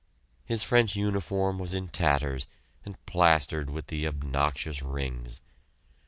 His French uniform was in tatters, and plastered with the obnoxious rings.